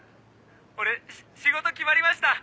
俺仕事決まりました！